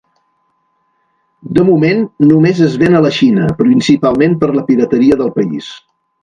De moment només es ven a la Xina, principalment per la pirateria del país.